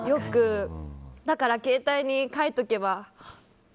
だから、携帯に書いとけば。